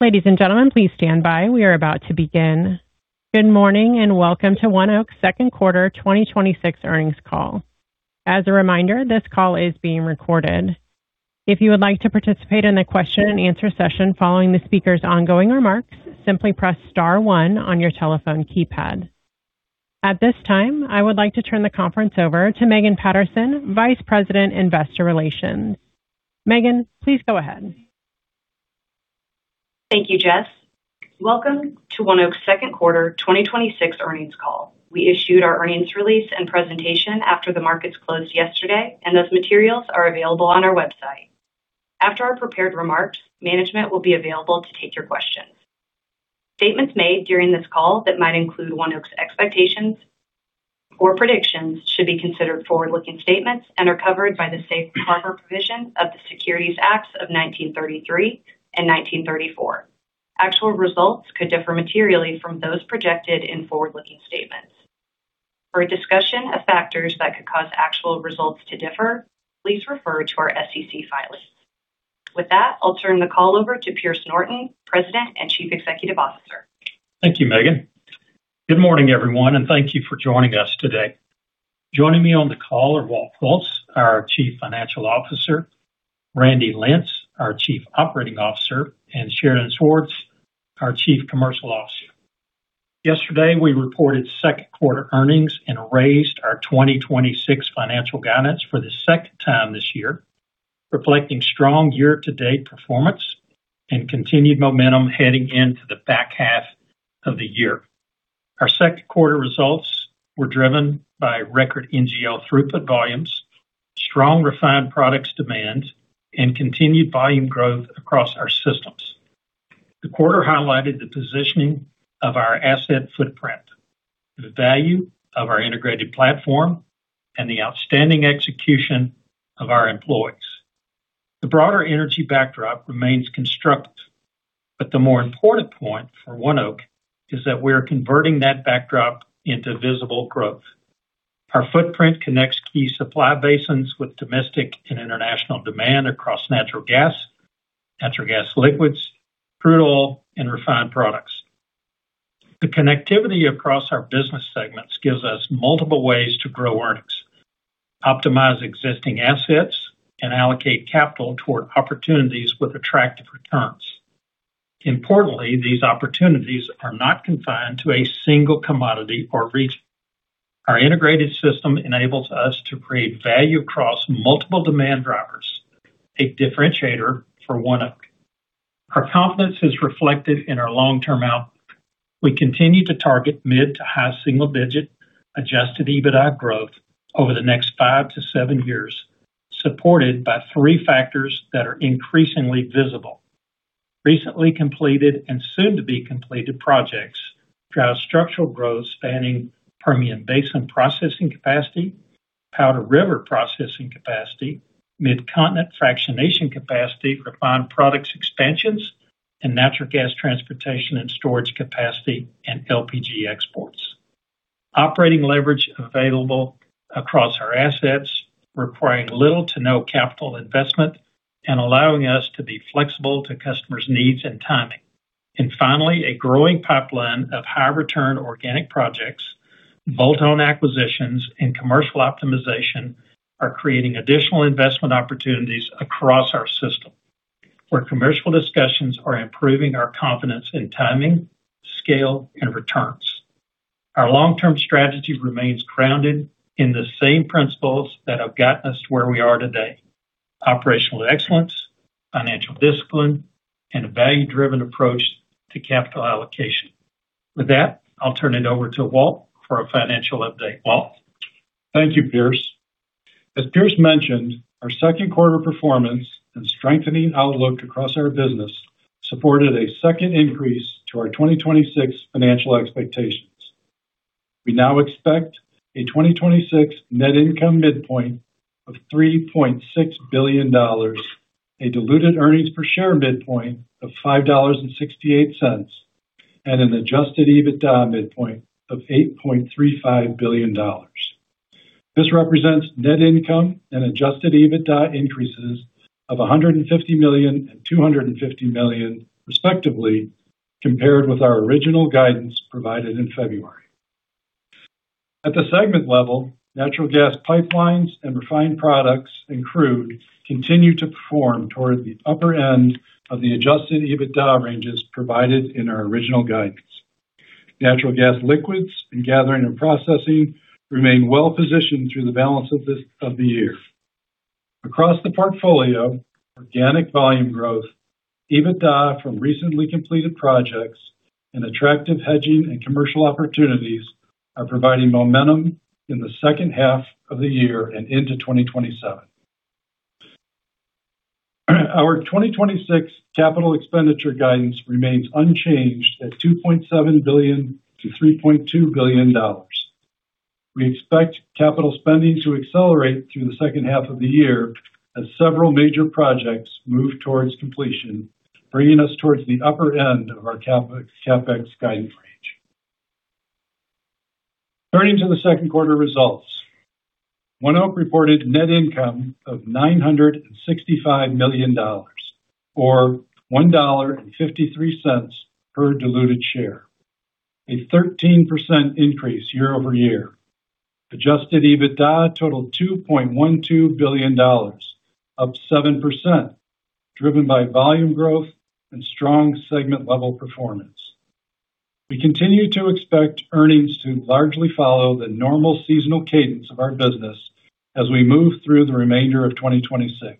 Ladies and gentlemen, please stand by. We are about to begin. Good morning, and welcome to ONEOK's second quarter 2026 earnings call. As a reminder, this call is being recorded. If you would like to participate in a question-and-answer session following the speaker's ongoing remarks, simply press star one on your telephone keypad. At this time, I would like to turn the conference over to Megan Patterson, Vice President, Investor Relations. Megan, please go ahead. Thank you, Jess. Welcome to ONEOK's second quarter 2026 earnings call. We issued our earnings release and presentation after the markets closed yesterday, and those materials are available on our website. After our prepared remarks, management will be available to take your questions. Statements made during this call that might include ONEOK's expectations or predictions should be considered forward-looking statements and are covered by the safe harbor provision of the Securities Acts of 1933 and 1934. Actual results could differ materially from those projected in forward-looking statements. For a discussion of factors that could cause actual results to differ, please refer to our SEC filings. With that, I'll turn the call over to Pierce Norton, President and Chief Executive Officer. Thank you, Megan. Good morning, everyone, and thank you for joining us today. Joining me on the call are Walt Hulse, our Chief Financial Officer, Randy Lentz, our Chief Operating Officer, and Sheridan Swords, our Chief Commercial Officer. Yesterday, we reported second quarter earnings and raised our 2026 financial guidance for the second time this year, reflecting strong year-to-date performance and continued momentum heading into the back half of the year. Our second quarter results were driven by record NGL throughput volumes, strong refined products demand, and continued volume growth across our systems. The quarter highlighted the positioning of our asset footprint, the value of our integrated platform, and the outstanding execution of our employees. The broader energy backdrop remains constructive, but the more important point for ONEOK is that we're converting that backdrop into visible growth. Our footprint connects key supply basins with domestic and international demand across natural gas, natural gas liquids, crude oil, and refined products. The connectivity across our business segments gives us multiple ways to grow earnings, optimize existing assets, and allocate capital toward opportunities with attractive returns. Importantly, these opportunities are not confined to a single commodity or region. Our integrated system enables us to create value across multiple demand drivers, a differentiator for ONEOK. Our confidence is reflected in our long-term outlook. We continue to target mid to high single-digit adjusted EBITDA growth over the next five to seven years, supported by three factors that are increasingly visible. Recently completed and soon-to-be-completed projects drive structural growth spanning Permian Basin processing capacity, Powder River processing capacity, Midcontinent fractionation capacity, refined products expansions, and natural gas transportation and storage capacity and LPG exports. Operating leverage available across our assets, requiring little to no capital investment and allowing us to be flexible to customers' needs and timing. Finally, a growing pipeline of high-return organic projects, bolt-on acquisitions, and commercial optimization are creating additional investment opportunities across our system, where commercial discussions are improving our confidence in timing, scale, and returns. Our long-term strategy remains grounded in the same principles that have gotten us where we are today: operational excellence, financial discipline, and a value-driven approach to capital allocation. With that, I'll turn it over to Walt for a financial update. Walt? Thank you, Pierce. As Pierce mentioned, our second quarter performance and strengthening outlook across our business supported a second increase to our 2026 financial expectations. We now expect a 2026 net income midpoint of $3.6 billion, a diluted earnings per share midpoint of $5.68, and an adjusted EBITDA midpoint of $8.35 billion. This represents net income and adjusted EBITDA increases of $150 million and $250 million, respectively, compared with our original guidance provided in February. At the segment level, Natural Gas Pipelines and refined products and crude continue to perform toward the upper end of the adjusted EBITDA ranges provided in our original guidance. Natural Gas Liquids and gathering and processing remain well-positioned through the balance of the year. Across the portfolio, organic volume growth, EBITDA from recently completed projects, and attractive hedging and commercial opportunities are providing momentum in the second half of the year and into 2027. Our 2026 capital expenditure guidance remains unchanged at $2.7 billion-$3.2 billion. We expect capital spending to accelerate through the second half of the year as several major projects move towards completion, bringing us towards the upper end of our CapEx guidance range. Turning to the second quarter results. ONEOK reported net income of $965 million, or $1.53 per diluted share, a 13% increase year-over-year. Adjusted EBITDA totaled $2.12 billion, up 7%, driven by volume growth and strong segment-level performance. We continue to expect earnings to largely follow the normal seasonal cadence of our business as we move through the remainder of 2026.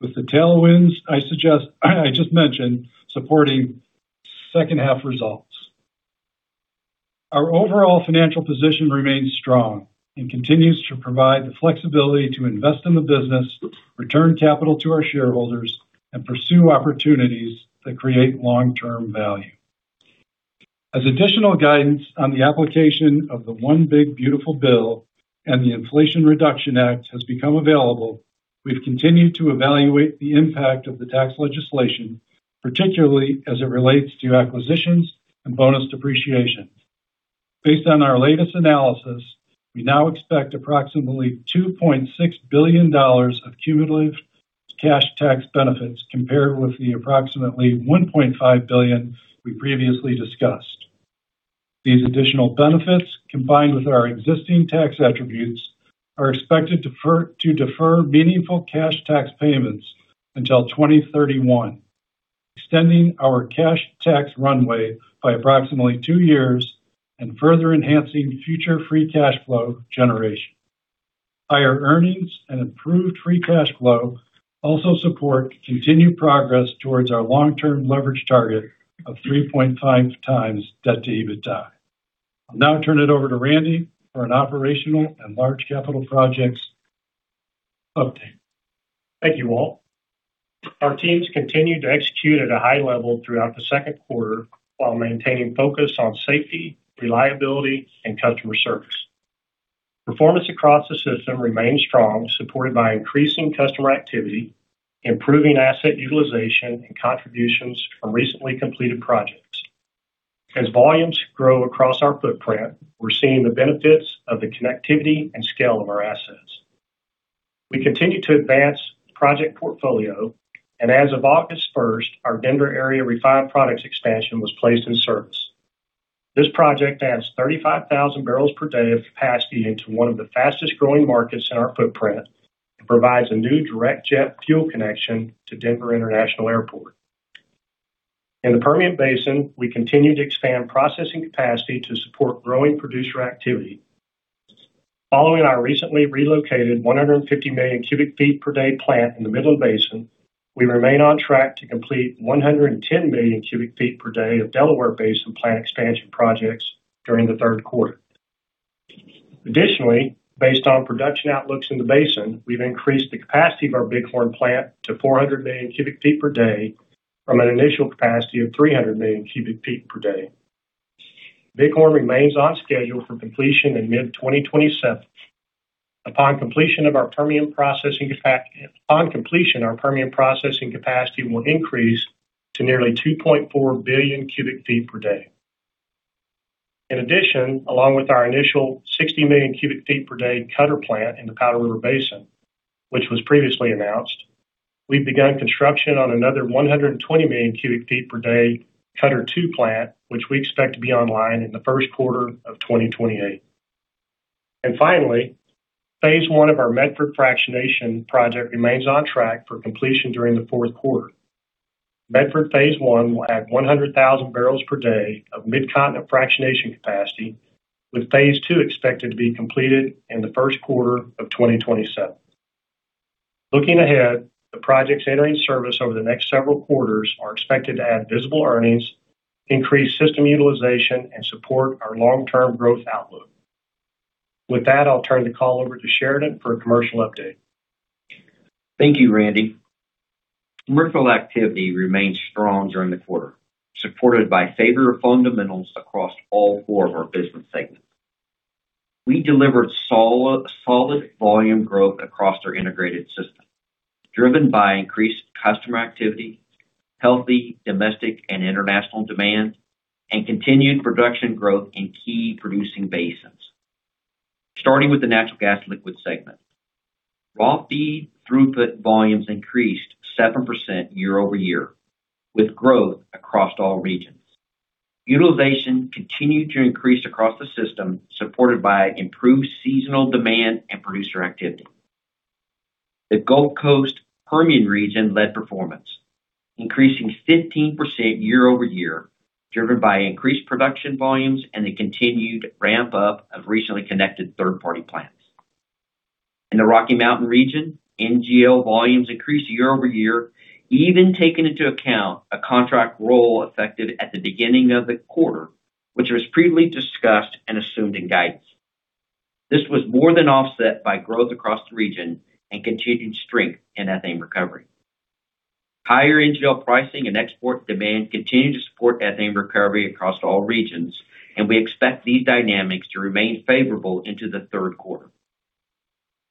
With the tailwinds I just mentioned supporting second half results, our overall financial position remains strong and continues to provide the flexibility to invest in the business, return capital to our shareholders, and pursue opportunities that create long-term value. As additional guidance on the application of the One Big Beautiful Bill and the Inflation Reduction Act of 2022 has become available, we've continued to evaluate the impact of the tax legislation, particularly as it relates to acquisitions and bonus depreciation. Based on our latest analysis, we now expect approximately $2.6 billion of cumulative cash tax benefits, compared with the approximately $1.5 billion we previously discussed. These additional benefits, combined with our existing tax attributes, are expected to defer meaningful cash tax payments until 2031, extending our cash tax runway by approximately two years and further enhancing future free cash flow generation. Higher earnings and improved free cash flow also support continued progress towards our long-term leverage target of 3.5x debt to EBITDA. I'll now turn it over to Randy for an operational and large capital projects update. Thank you, Walt. Our teams continued to execute at a high level throughout the second quarter while maintaining focus on safety, reliability, and customer service. Performance across the system remained strong, supported by increasing customer activity, improving asset utilization, and contributions from recently completed projects. As volumes grow across our footprint, we're seeing the benefits of the connectivity and scale of our assets. We continue to advance project portfolio, and as of August 1st, our Denver area refined products expansion was placed in service. This project adds 35,000 bpd of capacity into one of the fastest-growing markets in our footprint and provides a new direct jet fuel connection to Denver International Airport. In the Permian Basin, we continue to expand processing capacity to support growing producer activity. Following our recently relocated 150 MMcf/d plant in the Midland Basin, we remain on track to complete 110 MMcf/d of Delaware Basin plant expansion projects during the third quarter. Additionally, based on production outlooks in the basin, we've increased the capacity of our Bighorn Plant to 400 MMcf/d from an initial capacity of 300 MMcf/d. Bighorn remains on schedule for completion in mid 2027. Upon completion, our Permian processing capacity will increase to nearly 2.4 Bcf/d. In addition, along with our initial 60 MMcf/d Cutter Plant in the Powder River Basin, which was previously announced, we've begun construction on another 120 MMcf/d Cutter 2 Plant, which we expect to be online in the first quarter of 2028. Finally, Phase I of our Medford Fractionation project remains on track for completion during the fourth quarter. Medford Phase I will add 100,000 bpd of Midcontinent Fractionation capacity, with Phase II expected to be completed in the first quarter of 2027. Looking ahead, the projects entering service over the next several quarters are expected to add visible earnings, increase system utilization, and support our long-term growth outlook. With that, I'll turn the call over to Sheridan for a commercial update. Thank you, Randy. Commercial activity remained strong during the quarter, supported by favorable fundamentals across all four of our business segments. We delivered solid volume growth across our integrated system, driven by increased customer activity, healthy domestic and international demand, and continued production growth in key producing basins. Starting with the Natural Gas Liquid segment. Raw feed throughput volumes increased 7% year-over-year, with growth across all regions. Utilization continued to increase across the system, supported by improved seasonal demand and producer activity. The Gulf Coast Permian region led performance, increasing 15% year-over-year, driven by increased production volumes and the continued ramp up of recently connected third-party plants. In the Rocky Mountain region, NGL volumes increased year-over-year, even taking into account a contract roll effective at the beginning of the quarter, which was previously discussed and assumed in guidance. This was more than offset by growth across the region and continued strength in ethane recovery. Higher NGL pricing and export demand continued to support ethane recovery across all regions, and we expect these dynamics to remain favorable into the third quarter.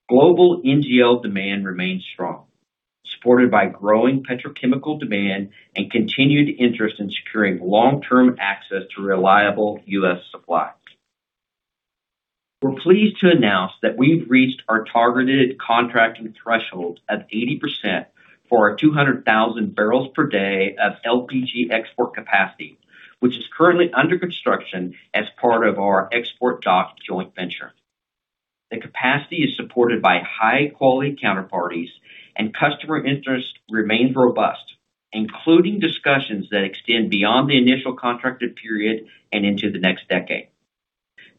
Global NGL demand remains strong, supported by growing petrochemical demand and continued interest in securing long-term access to reliable U.S. supply. We're pleased to announce that we've reached our targeted contracting threshold of 80% for our 200,000 bpd of LPG export capacity, which is currently under construction as part of our export dock joint venture. The capacity is supported by high-quality counterparties, and customer interest remains robust, including discussions that extend beyond the initial contracted period and into the next decade.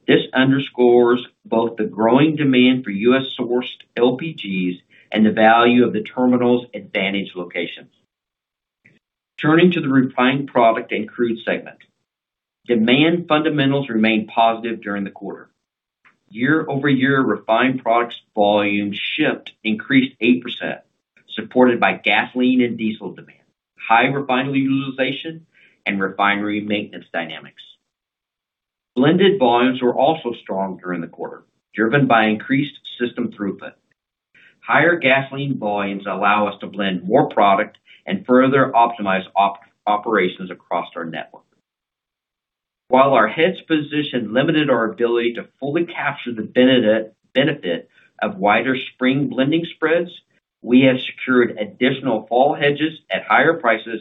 This underscores both the growing demand for U.S.-sourced LPGs and the value of the terminal's advantage locations. Turning to the Refined Product and Crude segment. Demand fundamentals remained positive during the quarter. Year-over-year refined products volume shipped increased 8%, supported by gasoline and diesel demand, high refinery utilization, and refinery maintenance dynamics. Blended volumes were also strong during the quarter, driven by increased system throughput. Higher gasoline volumes allow us to blend more product and further optimize operations across our network. While our hedge position limited our ability to fully capture the benefit of wider spring blending spreads, we have secured additional fall hedges at higher prices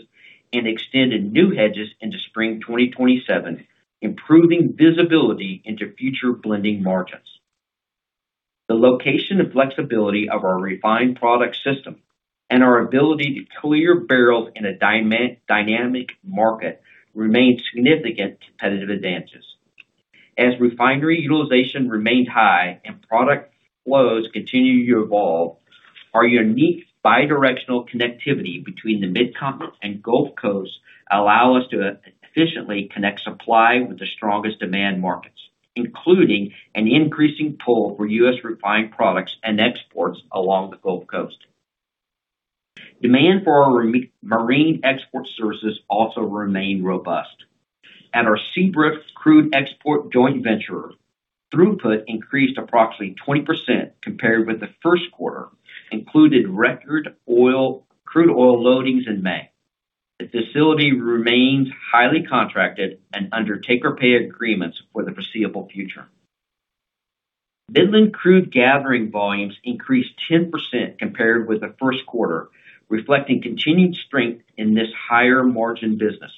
and extended new hedges into spring 2027, improving visibility into future blending margins. The location and flexibility of our refined product system and our ability to clear barrels in a dynamic market remains significant competitive advantages. As refinery utilization remained high and product flows continue to evolve, our unique bi-directional connectivity between the Mid-Continent and Gulf Coasts allow us to efficiently connect supply with the strongest demand markets, including an increasing pull for U.S. refined products and exports along the Gulf Coast. Demand for our marine export services also remained robust. At our Seabrook crude export joint venture, throughput increased approximately 20% compared with the first quarter, included record crude oil loadings in May. The facility remains highly contracted and under take-or-pay agreements for the foreseeable future. Midland crude gathering volumes increased 10% compared with the first quarter, reflecting continued strength in this higher-margin business.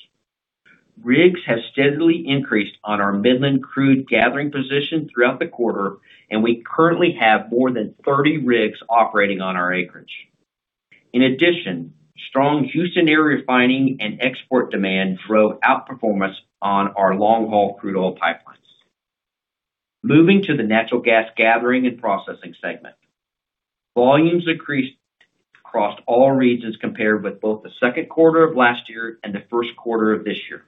Rigs have steadily increased on our Midland crude gathering position throughout the quarter, and we currently have more than 30 rigs operating on our acreage. In addition, strong Houston area refining and export demand drove outperformance on our long-haul crude oil pipelines. Moving to the Natural Gas Gathering and Processing segment. Volumes increased across all regions compared with both the second quarter of last year and the first quarter of this year.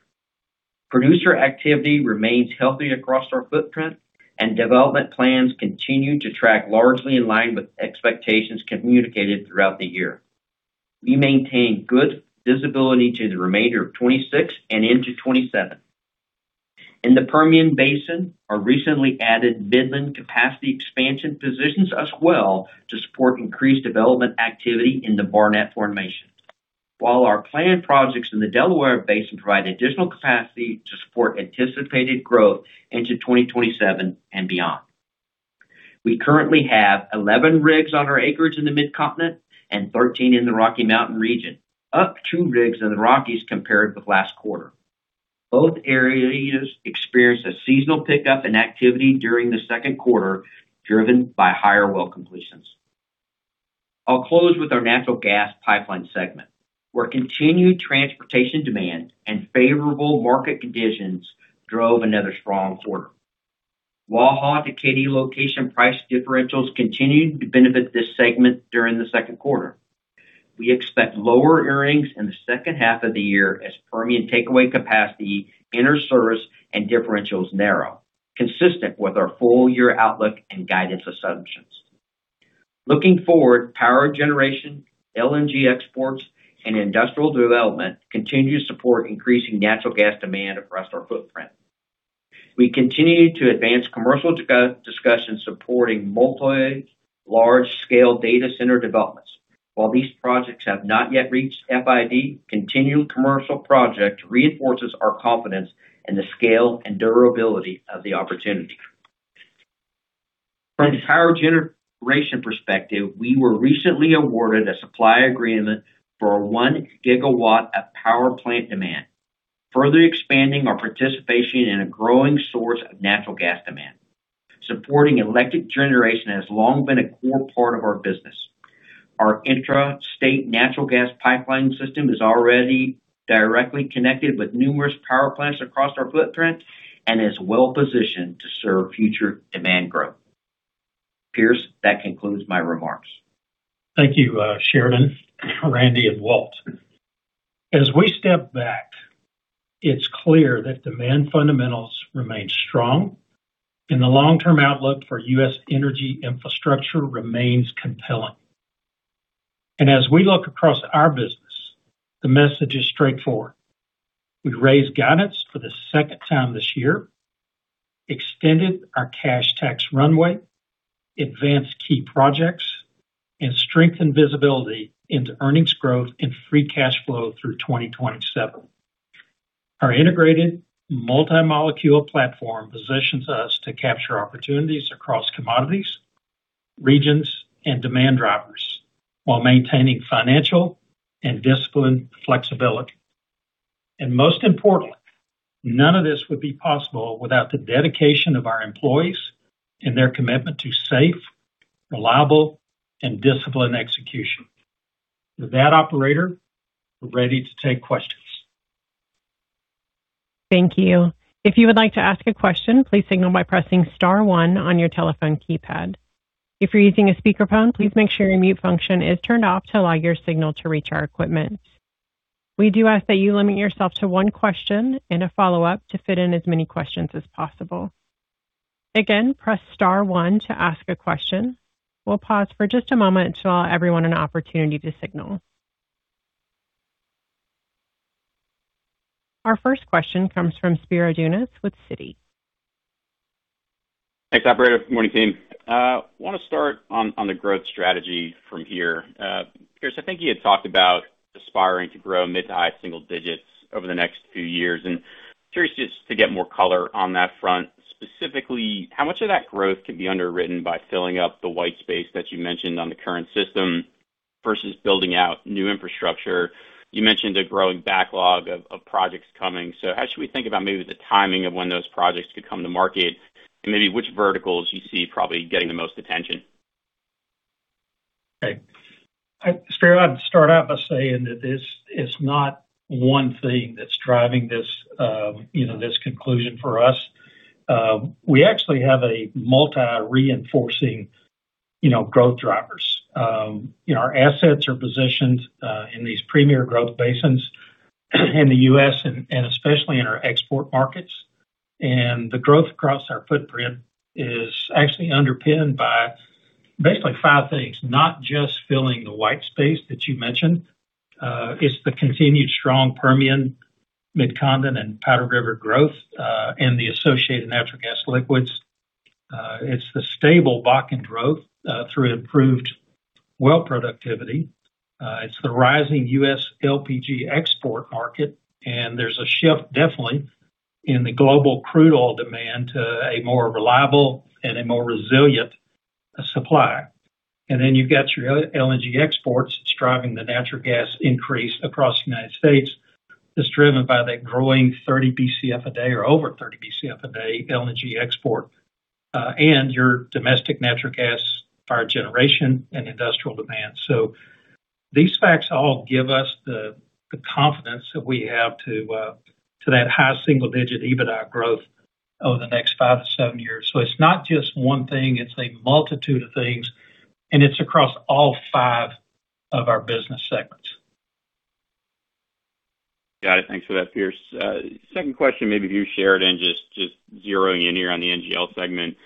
Producer activity remains healthy across our footprint, and development plans continue to track largely in line with expectations communicated throughout the year. We maintain good visibility to the remainder of 2026 and into 2027. In the Permian Basin, our recently added Midland capacity expansion positions us well to support increased development activity in the Barnett formation. While our planned projects in the Delaware Basin provide additional capacity to support anticipated growth into 2027 and beyond. We currently have 11 rigs on our acreage in the Mid-Continent and 13 in the Rocky Mountain region, up two rigs in the Rockies compared with last quarter. Both areas experienced a seasonal pickup in activity during the second quarter, driven by higher well completions. I'll close with our Natural Gas Pipeline segment, where continued transportation demand and favorable market conditions drove another strong quarter. Waha to Katy location price differentials continued to benefit this segment during the second quarter. We expect lower earnings in the second half of the year as Permian takeaway capacity enters service and differentials narrow, consistent with our full-year outlook and guidance assumptions. Looking forward, power generation, LNG exports, and industrial development continue to support increasing natural gas demand across our footprint. We continue to advance commercial discussions supporting multi-large scale data center developments. While these projects have not yet reached FID, continued commercial project reinforces our confidence in the scale and durability of the opportunity. From a power generation perspective, we were recently awarded a supply agreement for a 1 GW of power plant demand, further expanding our participation in a growing source of natural gas demand. Supporting electric generation has long been a core part of our business. Our intrastate natural gas pipeline system is already directly connected with numerous power plants across our footprint and is well-positioned to serve future demand growth. Pierce, that concludes my remarks. Thank you, Sheridan, Randy, and Walt. As we step back, it's clear that demand fundamentals remain strong, and the long-term outlook for U.S. energy infrastructure remains compelling. As we look across our business, the message is straightforward. We've raised guidance for the second time this year, extended our cash tax runway, advanced key projects, and strengthened visibility into earnings growth and free cash flow through 2026. Our integrated multi-molecule platform positions us to capture opportunities across commodities, regions, and demand drivers while maintaining financial and disciplined flexibility. Most importantly, none of this would be possible without the dedication of our employees and their commitment to safe, reliable, and disciplined execution. With that, operator, we're ready to take questions. Thank you. If you would like to ask a question, please signal by pressing star one on your telephone keypad. If you're using a speakerphone, please make sure your mute function is turned off to allow your signal to reach our equipment. We do ask that you limit yourself to one question and a follow-up to fit in as many questions as possible. Again, press star one to ask a question. We'll pause for just a moment to allow everyone an opportunity to signal. Our first question comes from Spiro Dounis with Citi. Thanks, operator. Good morning, team. I want to start on the growth strategy from here. Pierce, I think you had talked about aspiring to grow mid to high single digits over the next few years, and curious just to get more color on that front. Specifically, how much of that growth can be underwritten by filling up the white space that you mentioned on the current system versus building out new infrastructure? You mentioned a growing backlog of projects coming. How should we think about maybe the timing of when those projects could come to market, and maybe which verticals you see probably getting the most attention? Okay. Spiro, I'd start out by saying that it's not one thing that's driving this conclusion for us. We actually have a multi-reinforcing growth drivers. Our assets are positioned in these premier growth basins in the U.S. and especially in our export markets. The growth across our footprint is actually underpinned by basically five things, not just filling the white space that you mentioned. It's the continued strong Permian, Mid-Continent, and Powder River growth, and the associated natural gas liquids. It's the stable Bakken growth through improved well productivity. It's the rising U.S. LPG export market, and there's a shift definitely in the global crude oil demand to a more reliable and a more resilient supply. Then you've got your LNG exports driving the natural gas increase across the United States. It's driven by that growing 30 BCF/d or over 30 BCF/d LNG export, and your domestic natural gas power generation and industrial demand. These facts all give us the confidence that we have to that high single-digit EBITDA growth over the next five to seven years. It's not just one thing, it's a multitude of things, and it's across all five of our business segments. Got it. Thanks for that, Pierce. Second question maybe for you, Sheridan, just zeroing in here on the NGL segment.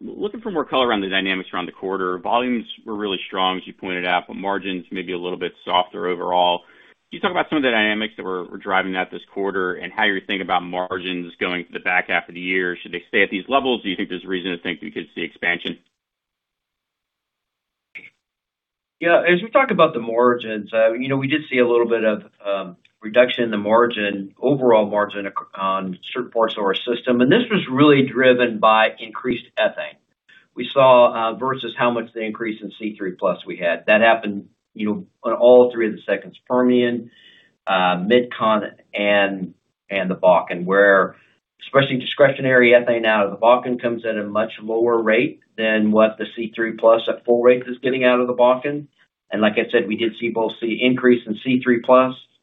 Looking for more color around the dynamics around the quarter. Volumes were really strong, as you pointed out, but margins may be a little bit softer overall. Can you talk about some of the dynamics that were driving that this quarter and how you're thinking about margins going into the back half of the year? Should they stay at these levels, or do you think there's reason to think we could see expansion? Yeah. As we talk about the margins, we did see a little bit of reduction in the margin, overall margin on certain parts of our system, and this was really driven by increased ethane. We saw versus how much the increase in C3+ we had. That happened on all three of the segments, Permian, Mid-Continent, and the Bakken, where especially discretionary ethane out of the Bakken comes at a much lower rate than what the C3+ at full rate is getting out of the Bakken. Like I said, we did see both the increase in C3+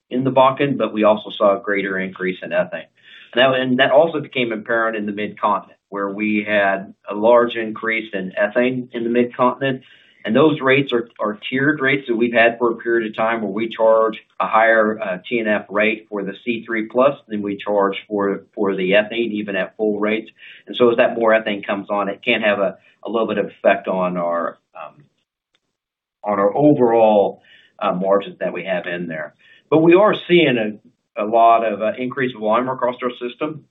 in the Bakken, but we also saw a greater increase in ethane. That also became apparent in the Mid-Continent, where we had a large increase in ethane in the Mid-Continent. Those rates are tiered rates that we've had for a period of time where we charge a higher T&F rate for the C3+ than we charge for the ethane even at full rates. As that more ethane comes on it can have a little bit of effect on our overall margins that we have in there. We are seeing a lot of increase of volume across our system.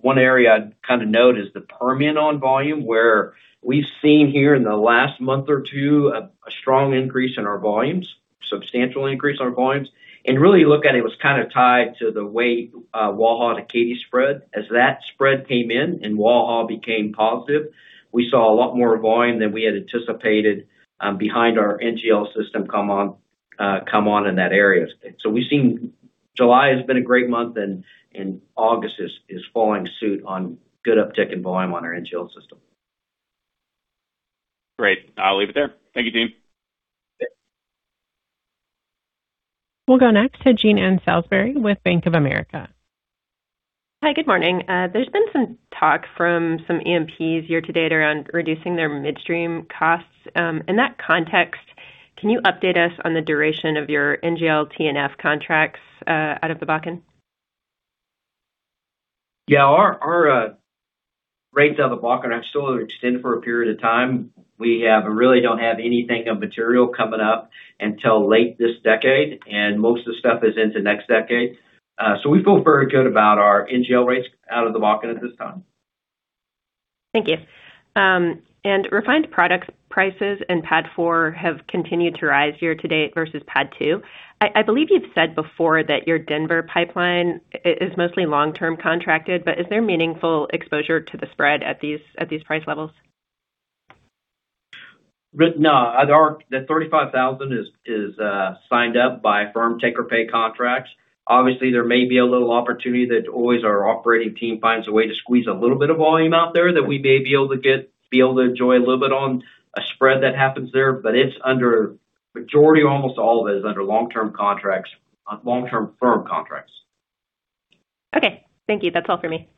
One area I'd note is the Permian on volume, where we've seen here in the last month or two a strong increase in our volumes, substantial increase in our volumes. Really look at it was kind of tied to the way Waha to Katy spread. As that spread came in and Waha became positive, we saw a lot more volume than we had anticipated behind our NGL system come on in that area. We've seen July has been a great month and August is following suit on good uptick in volume on our NGL system. Great. I'll leave it there. Thank you, team. We'll go next to Jean Ann Salisbury with Bank of America. Hi, good morning. There's been some talk from some E&Ps year-to-date around reducing their midstream costs. In that context, can you update us on the duration of your NGL T&F contracts out of the Bakken? Yeah, our rates out of the Bakken are still extended for a period of time. We really don't have anything of material coming up until late this decade. Most of the stuff is into next decade. We feel very good about our NGL rates out of the Bakken at this time. Thank you. Refined product prices in PADD 4 have continued to rise year to date versus PADD 2. I believe you've said before that your Denver pipeline is mostly long-term contracted, is there meaningful exposure to the spread at these price levels? No. The 35,000 bbls is signed up by firm take or pay contracts. Obviously, there may be a little opportunity that always our operating team finds a way to squeeze a little bit of volume out there that we may be able to enjoy a little bit on a spread that happens there. Majority, almost all of it is under long-term firm contracts. Okay, thank you. That's all for me.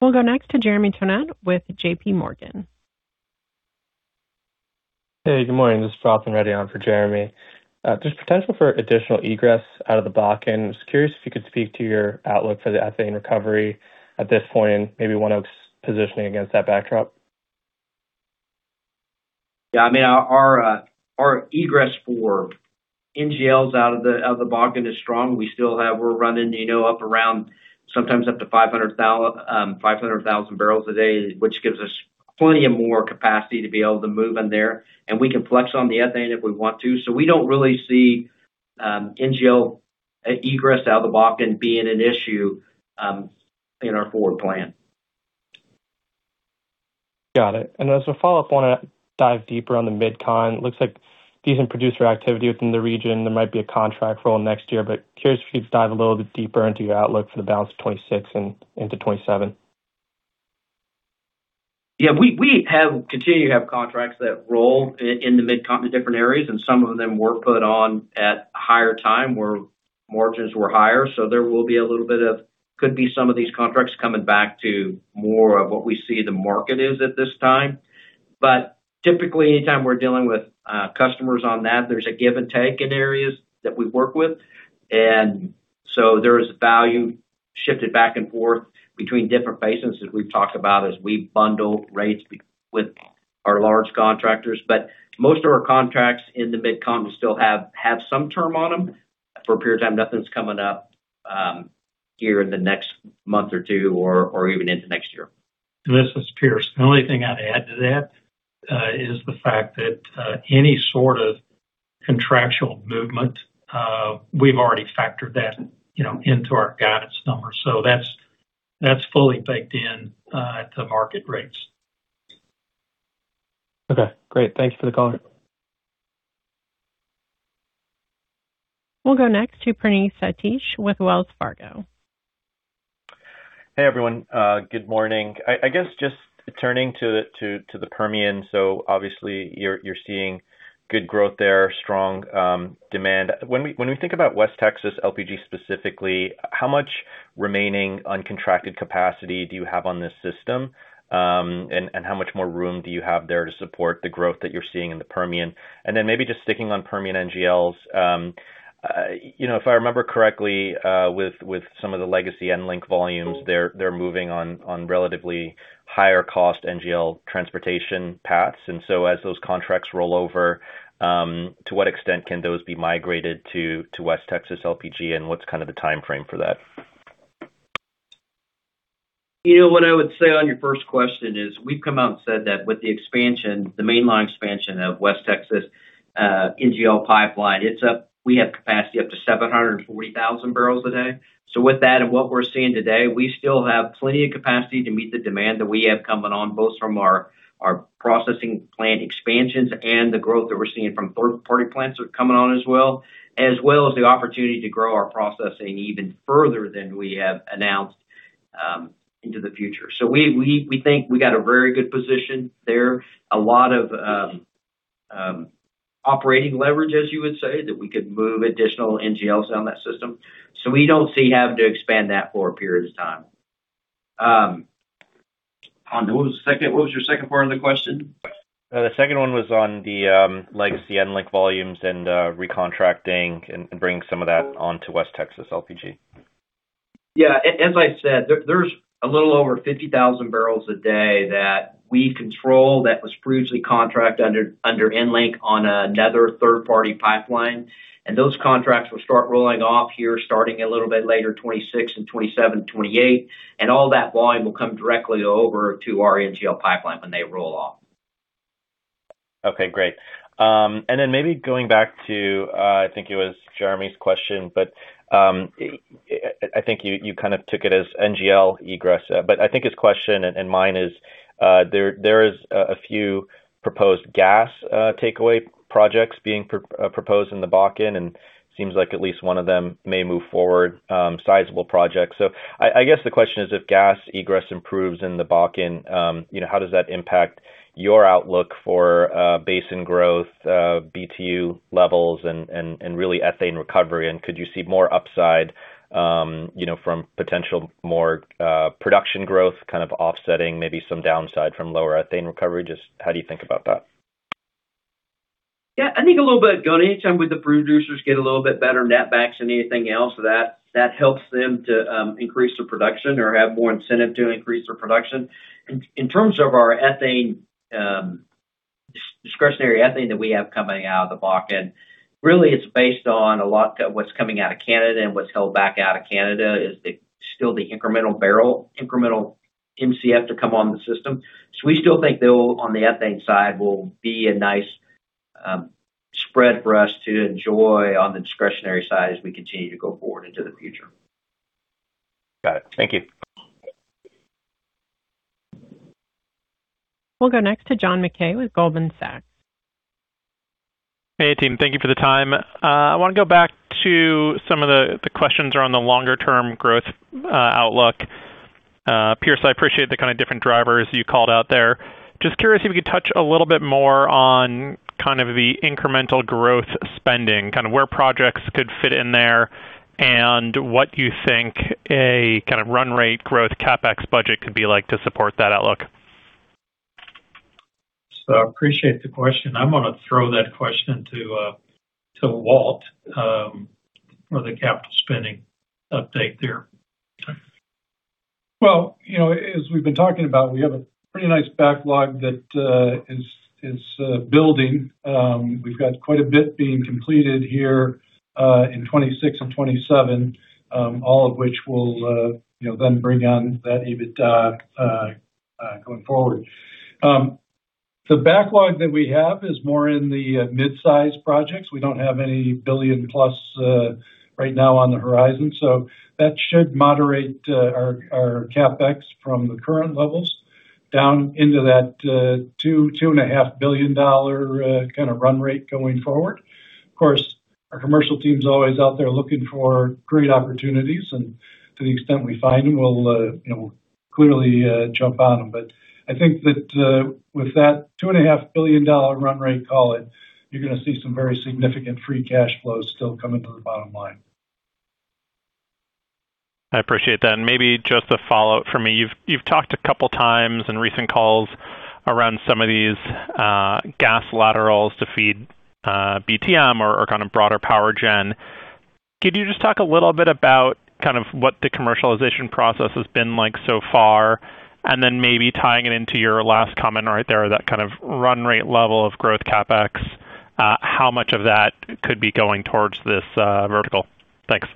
We'll go next to Jeremy Tonet with JPMorgan. Hey, good morning. This is Vrathan Reddy on for Jeremy. There's potential for additional egress out of the Bakken. I was curious if you could speak to your outlook for the ethane recovery at this point, and maybe ONEOK's positioning against that backdrop. Our egress for NGLs out of the Bakken is strong. We're running up around sometimes up to 500,000 bpd, which gives us plenty of more capacity to be able to move in there, and we can flex on the ethane if we want to. We don't really see NGL egress out of the Bakken being an issue in our forward plan. Got it. As a follow-up, want to dive deeper on the MidCon. Looks like decent producer activity within the region. There might be a contract roll next year, curious if you could dive a little bit deeper into your outlook for the balance of 2026 and into 2027. We continue to have contracts that roll in the MidCon in different areas, some of them were put on at a higher time where margins were higher. There could be some of these contracts coming back to more of what we see the market is at this time. Typically, anytime we're dealing with customers on that, there's a give and take in areas that we work with. There is value shifted back and forth between different basins, as we've talked about, as we bundle rates with our large contractors. Most of our contracts in the MidCon still have some term on them for a period of time. Nothing's coming up here in the next month or two or even into next year. This is Pierce. The only thing I'd add to that is the fact that any sort of contractual movement, we've already factored that into our guidance numbers. That's fully baked in to market rates. Okay, great. Thanks for the color. We'll go next to Praneeth Satish with Wells Fargo. Hey, everyone. Good morning. I guess just turning to the Permian. Obviously you're seeing good growth there, strong demand. When we think about West Texas LPG specifically, how much remaining uncontracted capacity do you have on this system? How much more room do you have there to support the growth that you're seeing in the Permian? Maybe just sticking on Permian NGLs. If I remember correctly, with some of the legacy EnLink volumes, they're moving on relatively higher cost NGL transportation paths. As those contracts roll over, to what extent can those be migrated to West Texas LPG, and what's kind of the timeframe for that? What I would say on your first question is we've come out and said that with the mainline expansion of West Texas NGL pipeline, we have capacity up to 740,000 bpd. With that and what we're seeing today, we still have plenty of capacity to meet the demand that we have coming on, both from our processing plant expansions and the growth that we're seeing from third-party plants coming on as well, as well as the opportunity to grow our processing even further than we have announced into the future. We think we got a very good position there. A lot of operating leverage, as you would say, that we could move additional NGLs on that system. We don't see having to expand that for a period of time. What was your second part of the question? The second one was on the legacy EnLink volumes and recontracting and bringing some of that onto West Texas LPG. Yeah. As I said, there's a little over 50,000 bpd that we control that was previously contracted under EnLink on another third-party pipeline. Those contracts will start rolling off here starting a little bit later, 2026 and 2027, 2028. All that volume will come directly over to our NGL pipeline when they roll off. Okay, great. Then maybe going back to, I think it was Jeremy's question, but, I think you kind of took it as NGL egress. I think his question and mine is, there is a few proposed gas takeaway projects being proposed in the Bakken, and seems like at least one of them may move forward, sizable projects. I guess the question is, if gas egress improves in the Bakken, how does that impact your outlook for basin growth, BTU levels and really ethane recovery? Could you see more upside from potential more production growth kind of offsetting maybe some downside from lower ethane recovery? Just how do you think about that? Yeah, I think a little bit of both. Anytime when the producers get a little bit better net backs than anything else, that helps them to increase their production or have more incentive to increase their production. In terms of our discretionary ethane that we have coming out of the Bakken, really, it's based on a lot of what's coming out of Canada and what's held back out of Canada is still the incremental barrel, incremental MCF to come on the system. We still think that on the ethane side will be a nice spread for us to enjoy on the discretionary side as we continue to go forward into the future. Got it. Thank you. We'll go next to John Mackay with Goldman Sachs. Hey, team. Thank you for the time. I want to go back to some of the questions around the longer-term growth outlook. Pierce, I appreciate the kind of different drivers you called out there. Just curious if you could touch a little bit more on kind of the incremental growth spending, kind of where projects could fit in there, and what you think a kind of run rate growth CapEx budget could be like to support that outlook. Appreciate the question. I'm going to throw that question to Walt for the capital spending update there. Well, as we've been talking about, we have a pretty nice backlog that is building. We've got quite a bit being completed here in 2026 and 2027, all of which will then bring on that EBITDA going forward. The backlog that we have is more in the mid-size projects. We don't have any $1 billion+ right now on the horizon, so that should moderate our CapEx from the current levels down into that $2 billion-$2.5 billion kind of run rate going forward. Of course, our commercial team is always out there looking for great opportunities, and to the extent we find them, we'll clearly jump on them. I think that with that $2.5 billion run rate call it, you're going to see some very significant free cash flows still coming to the bottom line. I appreciate that. Maybe just a follow-up for me. You've talked a couple of times in recent calls around some of these gas laterals to feed BTM or kind of broader power gen. Could you just talk a little bit about kind of what the commercialization process has been like so far, and then maybe tying it into your last comment right there, that kind of run rate level of growth CapEx, how much of that could be going towards this vertical? Thanks.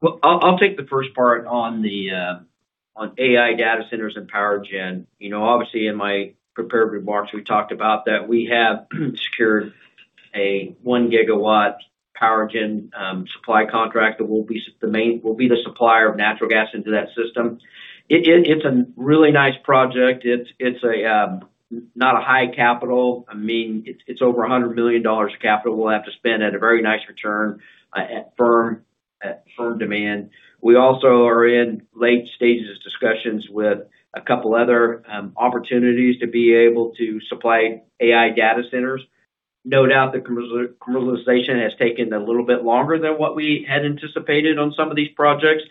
Well, I'll take the first part on AI data centers and power gen. Obviously, in my prepared remarks, we talked about that we have secured a 1 GW power gen supply contract that will be the supplier of natural gas into that system. It's a really nice project. It's not a high capital. I mean, it's over $100 million of capital we'll have to spend at a very nice return at firm demand. We also are in late stages of discussions with a couple of other opportunities to be able to supply AI data centers. No doubt that commercialization has taken a little bit longer than what we had anticipated on some of these projects.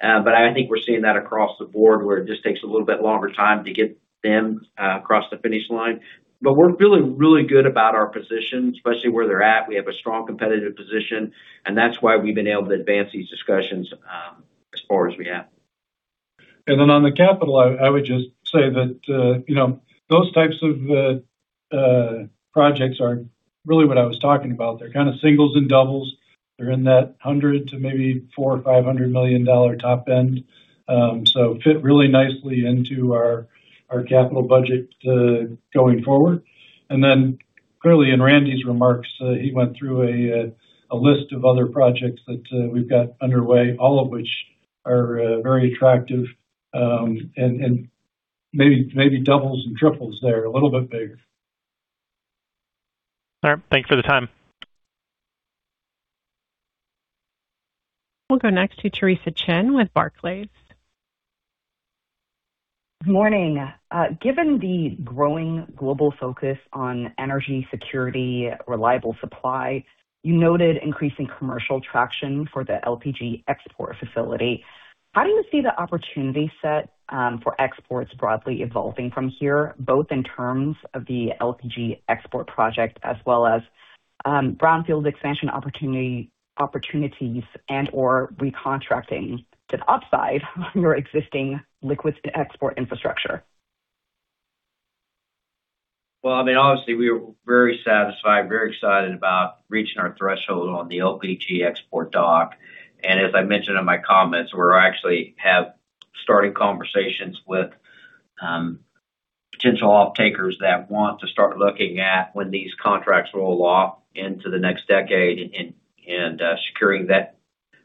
I think we're seeing that across the board where it just takes a little bit longer time to get them across the finish line. We're feeling really good about our position, especially where they're at. We have a strong competitive position, and that's why we've been able to advance these discussions as far as we have. On the capital, I would just say that those types of projects are really what I was talking about. They're kind of singles and doubles. They're in that $100 million to maybe $400 million-$500 million top end. Fit really nicely into our capital budget going forward. Clearly in Randy's remarks, he went through a list of other projects that we've got underway, all of which are very attractive and maybe doubles and triples there, a little bit bigger. All right. Thanks for the time. We'll go next to Theresa Chen with Barclays. Morning. Given the growing global focus on energy security, reliable supply, you noted increasing commercial traction for the LPG export facility. How do you see the opportunity set for exports broadly evolving from here, both in terms of the LPG export project as well as brownfield expansion opportunities and/or recontracting to the upside on your existing liquids export infrastructure? Well, I mean, obviously, we are very satisfied, very excited about reaching our threshold on the LPG export dock. As I mentioned in my comments, we actually have starting conversations with potential off-takers that want to start looking at when these contracts roll off into the next decade and securing that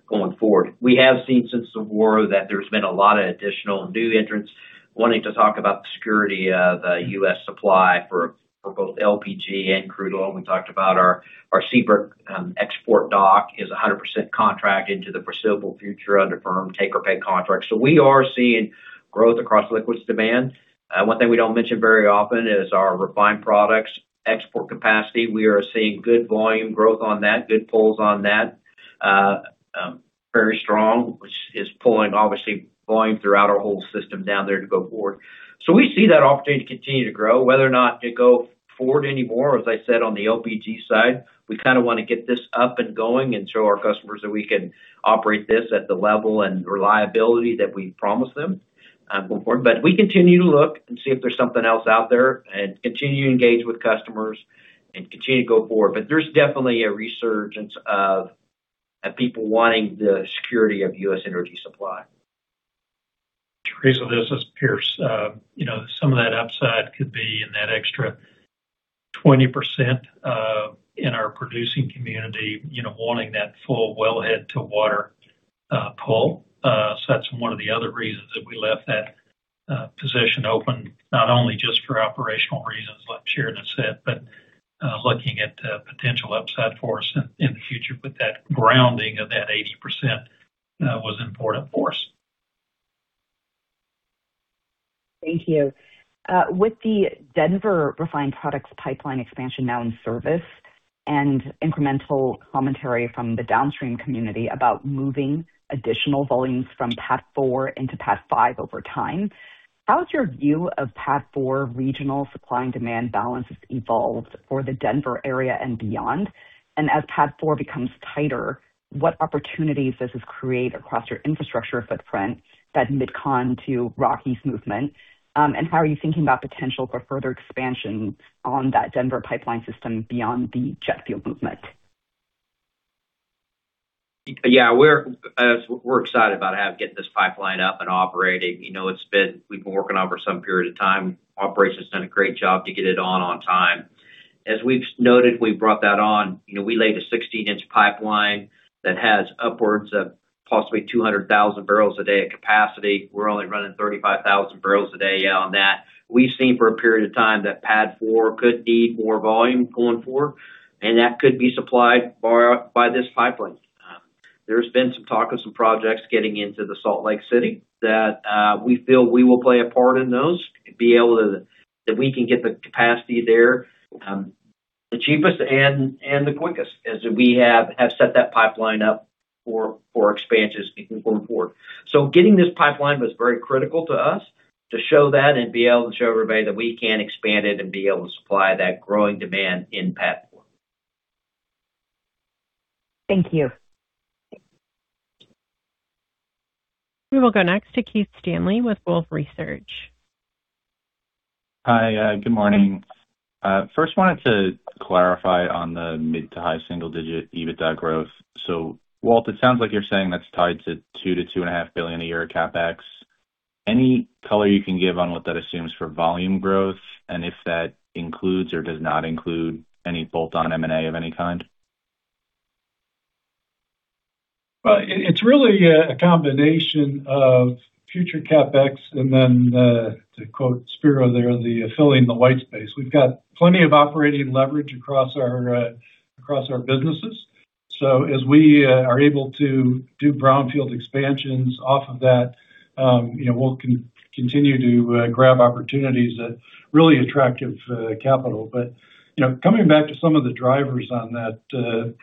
going forward. We have seen since the war that there's been a lot of additional new entrants wanting to talk about the security of the U.S. supply for both LPG and crude oil. We talked about our Seabrook export dock is 100% contracted to the foreseeable future under firm take or pay contracts. We are seeing growth across liquids demand. One thing we don't mention very often is our refined products export capacity. We are seeing good volume growth on that, good pulls on that. Very strong, which is obviously flowing throughout our whole system down there to go forward. We see that opportunity to continue to grow. Whether or not it go forward anymore, as I said, on the LPG side, we kind of want to get this up and going and show our customers that we can operate this at the level and reliability that we promised them going forward. We continue to look and see if there's something else out there, and continue to engage with customers, and continue to go forward. There's definitely a resurgence of people wanting the security of U.S. energy supply. Theresa, this is Pierce. Some of that upside could be in that extra 20% of international producing community wanting that full wellhead to water pull. That's one of the other reasons that we left that position open, not only just for operational reasons, like Sheridan said, but looking at potential upside for us in the future. That grounding of that 80% was important for us. Thank you. With the Denver refined products pipeline expansion now in service, incremental commentary from the downstream community about moving additional volumes from PADD 4 into PADD 5 over time, how has your view of PADD 4 regional supply and demand balances evolved for the Denver area and beyond? As PADD 4 becomes tighter, what opportunities does this create across your infrastructure footprint that MidCon to Rockies movement? How are you thinking about potential for further expansion on that Denver pipeline system beyond the jet fuel movement? Yeah. We're excited about how to get this pipeline up and operating. We've been working on it for some period of time. Operations done a great job to get it on time. As we've noted, we brought that on. We laid a 16-inch pipeline that has upwards of possibly 200,000 bpd of capacity. We're only running 35,000 bpd out on that. We've seen for a period of time that PADD 4 could need more volume going forward. That could be supplied by this pipeline. There's been some talk of some projects getting into the Salt Lake City that we feel we will play a part in those, that we can get the capacity there the cheapest and the quickest, as we have set that pipeline up for expansions going forward. Getting this pipeline was very critical to us to show that and be able to show everybody that we can expand it and be able to supply that growing demand in PADD 4. Thank you. We will go next to Keith Stanley with Wolfe Research. Hi. Good morning. First wanted to clarify on the mid to high single-digit EBITDA growth. Walt, it sounds like you're saying that's tied to $2 billion-$2.5 billion a year CapEx. Any color you can give on what that assumes for volume growth, and if that includes or does not include any bolt-on M&A of any kind? It's really a combination of future CapEx and then, to quote Spiro there, the filling the white space. We've got plenty of operating leverage across our businesses. As we are able to do brownfield expansions off of that, we'll continue to grab opportunities that really attractive capital. Coming back to some of the drivers on that,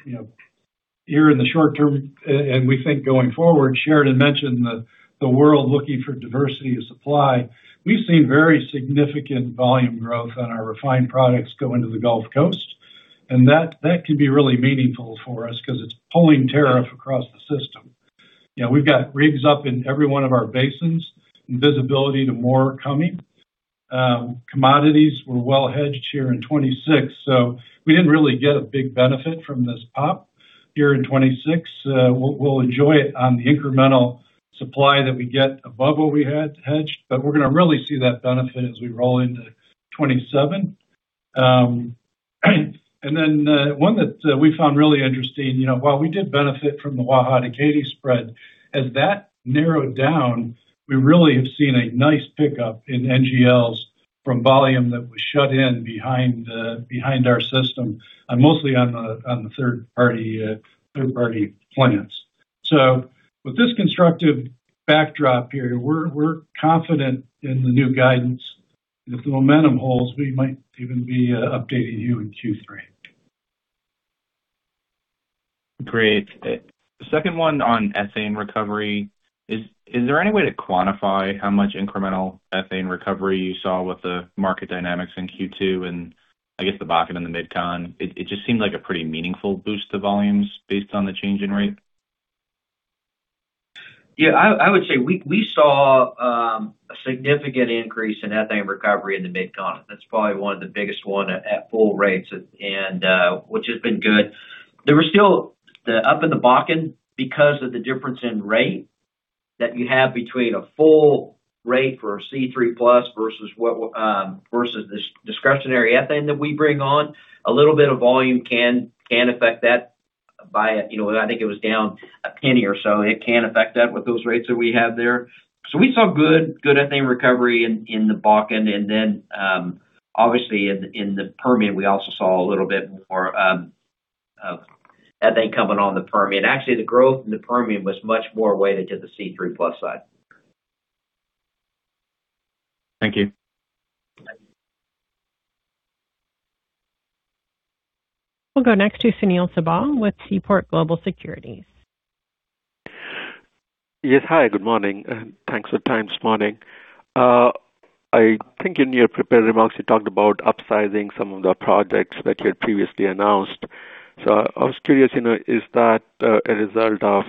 here in the short term, and we think going forward, Sheridan mentioned the world looking for diversity of supply. We've seen very significant volume growth on our refined products go into the Gulf Coast, and that could be really meaningful for us because it's pulling tariff across the system. We've got rigs up in every one of our basins and visibility to more coming. Commodities were well hedged here in 2026, so we didn't really get a big benefit from this pop here in 2026. We'll enjoy it on the incremental supply that we get above what we had hedged, but we're going to really see that benefit as we roll into 2027. One that we found really interesting, while we did benefit from the Waha to Katy spread, as that narrowed down, we really have seen a nice pickup in NGLs from volume that was shut in behind our system, mostly on the third-party plants. With this constructive backdrop here, we're confident in the new guidance. If the momentum holds, we might even be updating you in Q3. Great. The second one on ethane recovery is: is there any way to quantify how much incremental ethane recovery you saw with the market dynamics in Q2 and I guess the Bakken and the MidCon? It just seems like a pretty meaningful boost to volumes based on the change in rate. Yeah. I would say we saw a significant increase in ethane recovery in the MidCon. That's probably one of the biggest one at full rates, and which has been good. There was still the up in the Bakken because of the difference in rate that you have between a full rate for a C3+ versus this discretionary ethane that we bring on. A little bit of volume can affect that by, I think it was down $0.01 or so. It can affect that with those rates that we have there. We saw good ethane recovery in the Bakken. Obviously in the Permian, we also saw a little bit more of ethane coming on the Permian. The growth in the Permian was much more weighted to the C3+ side. Thank you. We'll go next to Sunil Sibal with Seaport Global Securities. Yes. Hi, good morning, and thanks for the time this morning. I think in your prepared remarks, you talked about upsizing some of the projects that you had previously announced. I was curious, is that a result of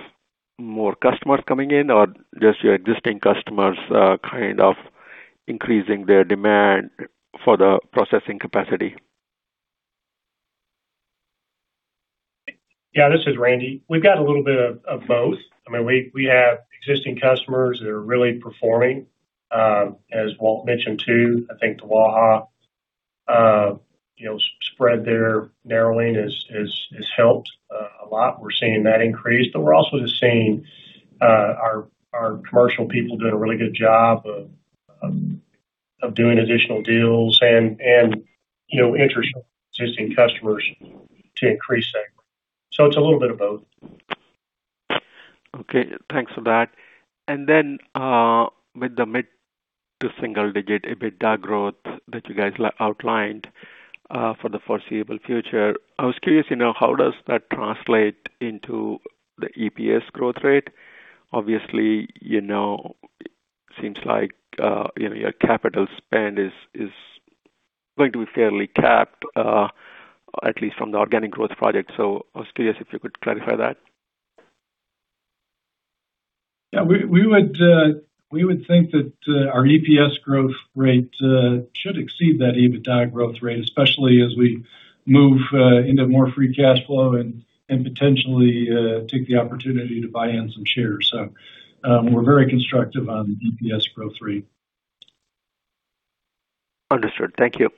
more customers coming in or just your existing customers kind of increasing their demand for the processing capacity? This is Randy. We've got a little bit of both. We have existing customers that are really performing. As Walt mentioned too, I think the Waha spread there narrowing has helped a lot. We're seeing that increase, we're also just seeing our commercial people doing a really good job of doing additional deals and interesting existing customers to increase that. It's a little bit of both. Okay, thanks for that. Then, with the mid to single-digit EBITDA growth that you guys outlined for the foreseeable future, I was curious, how does that translate into the EPS growth rate? Obviously, seems like your capital spend is going to be fairly capped, at least from the organic growth project. I was curious if you could clarify that. Yeah. We would think that our EPS growth rate should exceed that EBITDA growth rate, especially as we move into more free cash flow and potentially take the opportunity to buy in some shares. We're very constructive on the EPS growth rate. Understood. Thank you.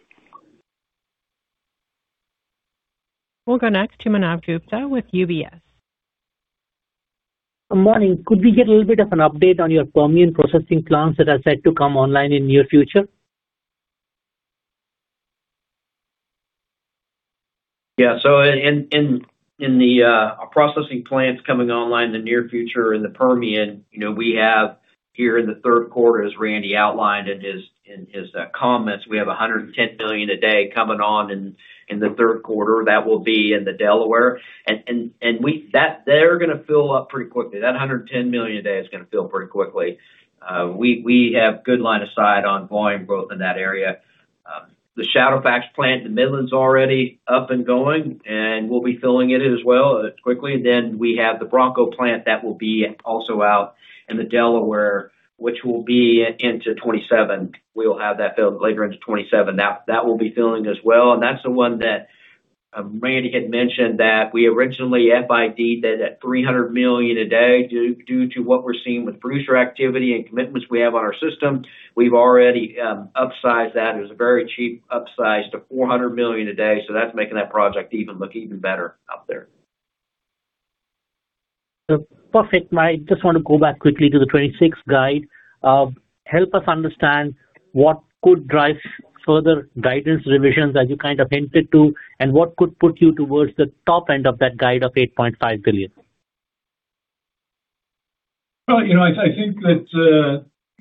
We'll go next to Manav Gupta with UBS. Good morning. Could we get a little bit of an update on your Permian processing plants that are set to come online in near future? In the processing plants coming online in the near future in the Permian, we have here in the third quarter, as Randy outlined in his comments, we have 110 million a day coming on in the third quarter. That will be in the Delaware. They're going to fill up pretty quickly. That 110 million a day is going to fill pretty quickly. We have good line of sight on volume growth in that area. The Shadowfax Plant in the Midland is already up and going, and we'll be filling it as well quickly. We have the Bronco Plant that will be also out in the Delaware, which will be into 2027. We'll have that filled later into 2027. That will be filling as well. That's the one that Randy had mentioned that we originally FIDd that at $300 million a day. Due to what we're seeing with producer activity and commitments we have on our system, we've already upsized that. It was a very cheap upsize to $400 million a day, so that's making that project look even better out there. Perfect. I just want to go back quickly to the 2026 guide. Help us understand what could drive further guidance revisions that you kind of hinted to, and what could put you towards the top end of that guide of $8.5 billion? Well, I think that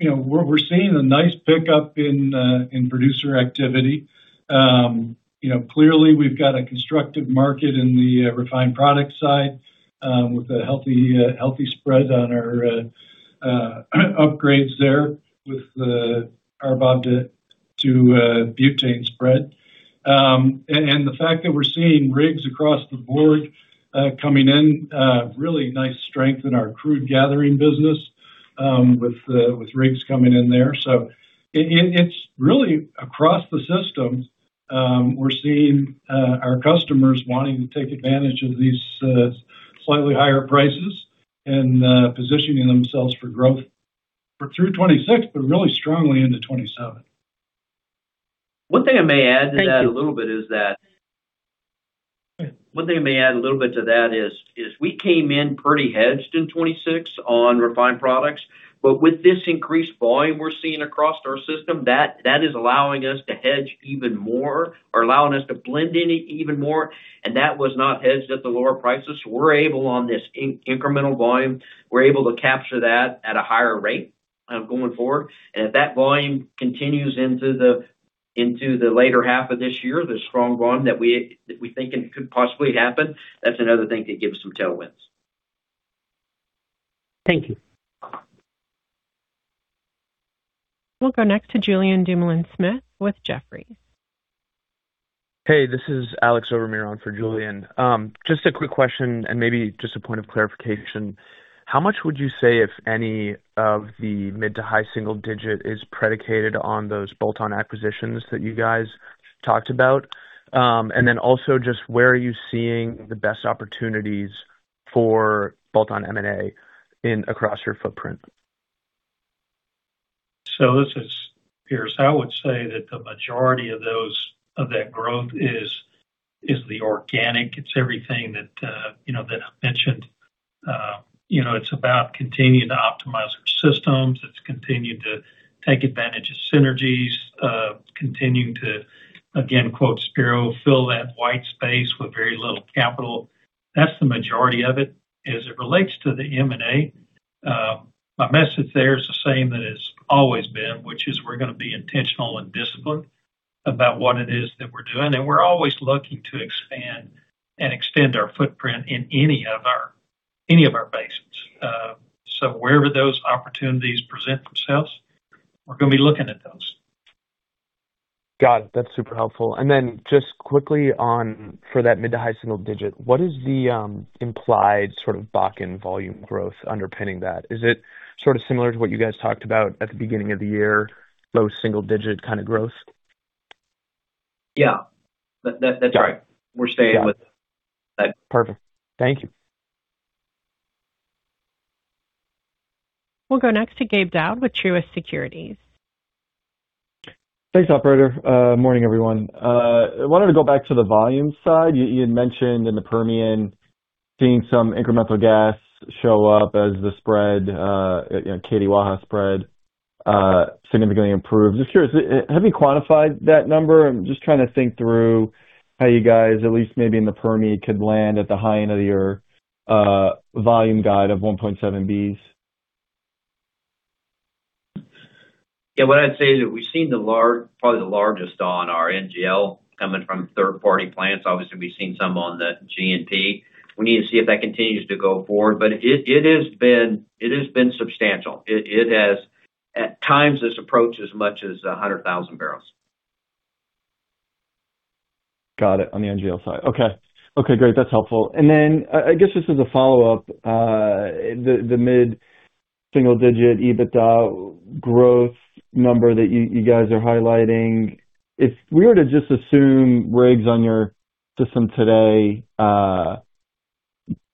we're seeing a nice pickup in producer activity. Clearly, we've got a constructive market in the refined product side with a healthy spread on our upgrades there with the CBOB to butane spread. The fact that we're seeing rigs across the board coming in, really nice strength in our crude gathering business with rigs coming in there. It's really across the system. We're seeing our customers wanting to take advantage of these slightly higher prices and positioning themselves for growth through 2026, but really strongly into 2027. One thing I may add to that a little bit is we came in pretty hedged in 2026 on refined products. With this increased volume we're seeing across our system, that is allowing us to hedge even more or allowing us to blend in even more, and that was not hedged at the lower prices. We're able on this incremental volume, we're able to capture that at a higher rate going forward. If that volume continues into the later half of this year, the strong volume that we think could possibly happen, that's another thing that gives some tailwinds. Thank you. We'll go next to Julien Dumoulin-Smith with Jefferies. Hey, this is [Alex Romeon] over here for Julien. Just a quick question and maybe just a point of clarification. How much would you say, if any, of the mid to high single digit is predicated on those bolt-on acquisitions that you guys talked about? Then also just where are you seeing the best opportunities for bolt-on M&A across your footprint? This is Pierce. I would say that the majority of that growth is the organic. It's everything that I mentioned. It's about continuing to optimize our systems. It's continuing to take advantage of synergies. Continuing to, again, quote Spiro, "Fill that white space with very little capital. That's the majority of it. As it relates to the M&A, my message there is the same that it's always been, which is we're going to be intentional and disciplined about what it is that we're doing, and we're always looking to expand and extend our footprint in any of our basins. Wherever those opportunities present themselves, we're going to be looking at those. Got it. That's super helpful. Then just quickly on for that mid to high single digit, what is the implied sort of Bakken volume growth underpinning that? Is it sort of similar to what you guys talked about at the beginning of the year, low single digit kind of growth? Yeah. That's right. We're staying with that. Perfect. Thank you. We'll go next to Gabe Daoud with Truist Securities. Thanks, operator. Morning, everyone. I wanted to go back to the volume side. You had mentioned in the Permian seeing some incremental gas show up as the spread, you know, Katy-Waha spread, significantly improved. Just curious, have you quantified that number? I'm just trying to think through how you guys, at least maybe in the Permian, could land at the high end of your volume guide of 1.7 Bs. Yeah. What I'd say is that we've seen probably the largest on our NGL coming from third-party plants. Obviously, we've seen some on the G&P. We need to see if that continues to go forward, but it has been substantial. It has at times, this approach as much as 100,000 bbls. Got it. On the NGL side. Okay. Okay, great. That's helpful. I guess just as a follow-up, the mid-single digit EBITDA growth number that you guys are highlighting, if we were to just assume rigs on your system today,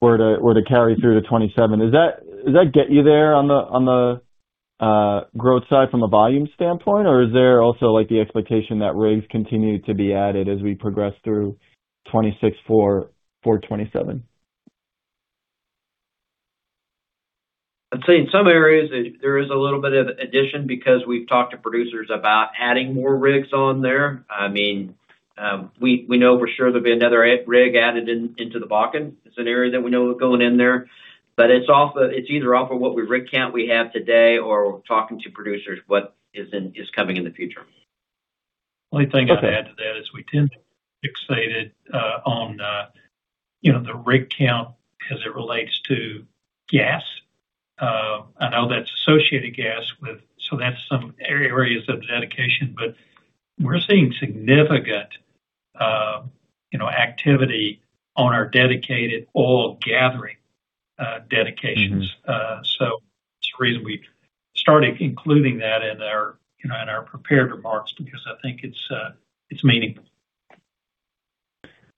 were to carry through to 2027, does that get you there on the growth side from a volume standpoint, or is there also, like, the expectation that rigs continue to be added as we progress through 2026 forward 2027? I'd say in some areas there is a little bit of addition because we've talked to producers about adding more rigs on there. I mean, we know for sure there'll be another rig added into the Bakken. It's an area that we know we're going in there, but it's either off of what rig count we have today or talking to producers what is coming in the future. Only thing I'd add to that is we tend to fixate it on, you know, the rig count as it relates to gas. I know that's associated gas with. That's some areas of dedication, but we're seeing significant, you know, activity on our dedicated oil gathering, dedications. That's the reason we started including that in our prepared remarks because I think it's meaningful.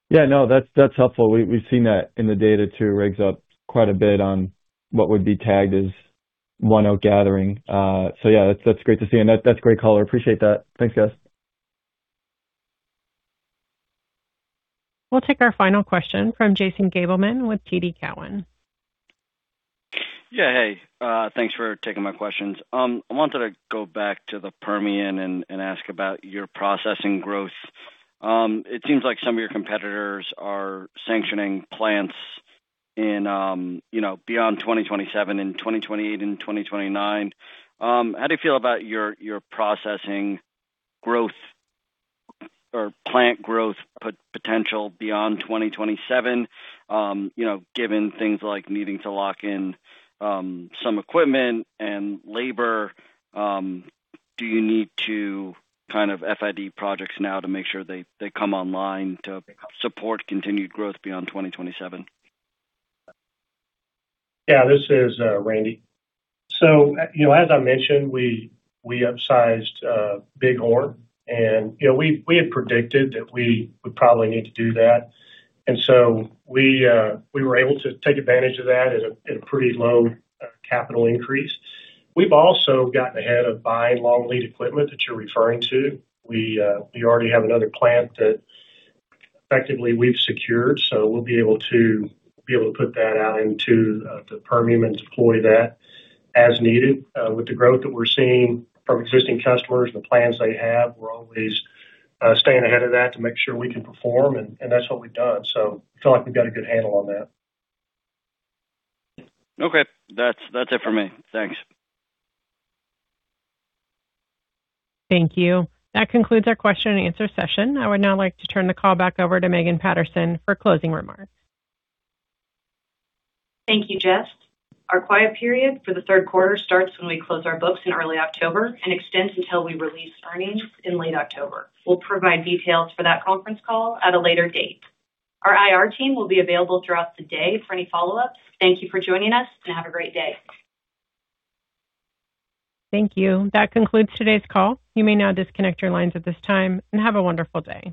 Yeah, no, that's helpful. We've seen that in the data too, rigs up quite a bit on what would be tagged as ONEOK gathering. Yeah, that's great to see and that's a great call. I appreciate that. Thanks, guys. We'll take our final question from Jason Gabelman with TD Cowen. Hey, thanks for taking my questions. I wanted to go back to the Permian and ask about your processing growth. It seems like some of your competitors are sanctioning plants in, you know, beyond 2027 and 2028 and 2029. How do you feel about your processing growth or plant growth potential beyond 2027? You know, given things like needing to lock in some equipment and labor, do you need to kind of FID projects now to make sure they come online to support continued growth beyond 2027? This is Randy. You know, as I mentioned, we upsized Bighorn and, you know, we had predicted that we would probably need to do that. We were able to take advantage of that at a pretty low capital increase. We've also gotten ahead of buying long lead equipment that you're referring to. We already have another plant that effectively we've secured, so we'll be able to put that out into the Permian and deploy that as needed. With the growth that we're seeing from existing customers and the plans they have, we're always staying ahead of that to make sure we can perform, and that's what we've done. Feel like we've got a good handle on that. Okay. That's it for me. Thanks. Thank you. That concludes our question-and-answer session. I would now like to turn the call back over to Megan Patterson for closing remarks. Thank you, Jess. Our quiet period for the third quarter starts when we close our books in early October and extends until we release earnings in late October. We'll provide details for that conference call at a later date. Our IR team will be available throughout the day for any follow-ups. Thank you for joining us, and have a great day. Thank you. That concludes today's call. You may now disconnect your lines at this time, and have a wonderful day.